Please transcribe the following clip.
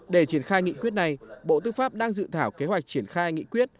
để triển khai nghị quyết này bộ tư pháp đang dự thảo kế hoạch triển khai nghị quyết